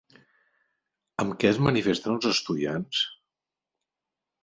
Amb què es manifesten els estudiants?